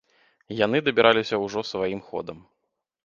Яны дабіраліся ўжо сваім ходам.